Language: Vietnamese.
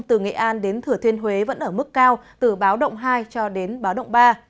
từ nghệ an đến thửa thiên huế vẫn ở mức cao từ báo động hai cho đến báo động ba